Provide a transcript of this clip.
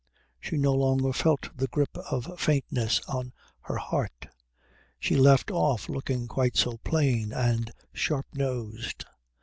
She no longer felt the grip of faintness on her heart. She left off looking quite so plain and sharp nosed.